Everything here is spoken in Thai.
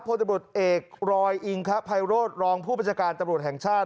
พตเอกลอยอิงครับภายโรศรองผู้บริจการตรวจแห่งชาติ